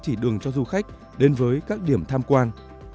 chỉ đường cho du khách đến với các điểm tham quan